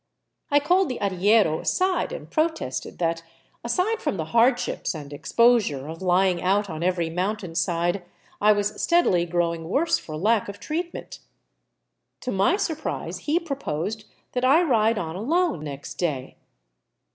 I called the arriero aside and protested that, aside from the hardships and exposure of lying out on every mountain side, I was steadily growing worse for lack of treatment. To my surprise he proposed that I ride on alone next day.